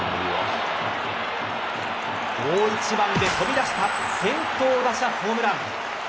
大一番で飛び出した先頭打者ホームラン。